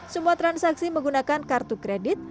semua transaksi menggunakan kartu kredit